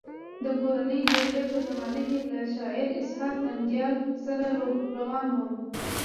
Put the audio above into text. د کورنۍ جګړې په زمانه کې له شاعر اسحق ننګیال سره روان وم.